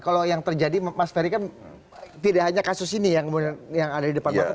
kalau yang terjadi mas ferry kan tidak hanya kasus ini yang ada di depan mata